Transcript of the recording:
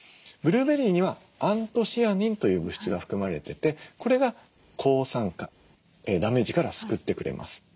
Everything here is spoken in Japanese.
ブルーベリーにはアントシアニンという物質が含まれててこれが抗酸化ダメージから救ってくれます。